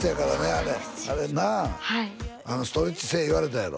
あれあれなあはいストレッチせえ言われたやろ？